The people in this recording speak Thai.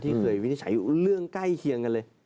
เคยวินิจฉัยเรื่องใกล้เคียงกันเลย